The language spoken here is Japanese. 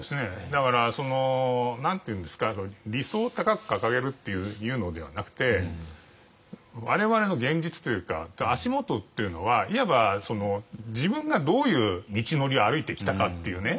だから何て言うんですか理想を高く掲げるっていうのではなくて我々の現実というか足元というのはいわば自分がどういう道のりを歩いてきたかっていうね